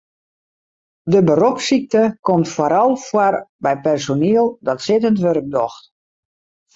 De beropssykte komt foaral foar by personiel dat sittend wurk docht.